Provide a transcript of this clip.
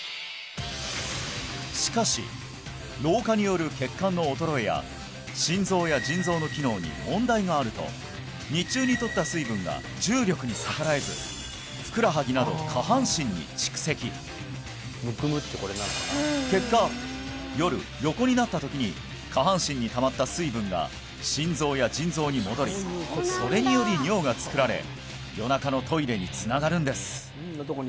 しかし老化による血管の衰えや心臓や腎臓の機能に問題があると日中に取った水分が重力に逆らえずふくらはぎなど下半身に蓄積結果夜横になった時に下半身にたまった水分が心臓や腎臓に戻りそれにより尿が作られ夜中のトイレにつながるんです